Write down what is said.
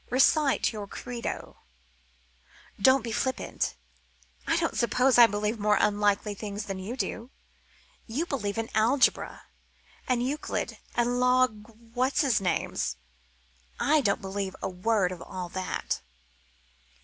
Recite your credo." "Don't be flippant. I don't suppose I believe more unlikely things than you do. You believe in algebra and Euclid and log what's his names. Now I don't believe a word of all that."